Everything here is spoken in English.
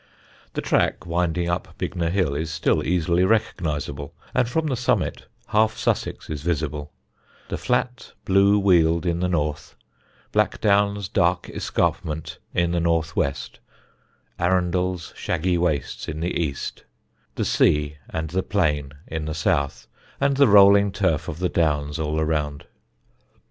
The track winding up Bignor Hill is still easily recognisable, and from the summit half Sussex is visible: the flat blue weald in the north, Blackdown's dark escarpment in the north west, Arundel's shaggy wastes in the east, the sea and the plain in the south, and the rolling turf of the downs all around.